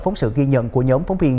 phóng sự ghi nhận của nhóm phóng viên